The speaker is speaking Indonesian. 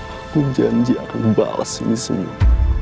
aku janji akan balas ini semua